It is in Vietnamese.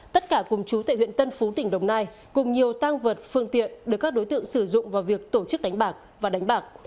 tất cả cùng chú tại huyện tân phú tỉnh đồng nai cùng nhiều tăng vật phương tiện được các đối tượng sử dụng vào việc tổ chức đánh bạc và đánh bạc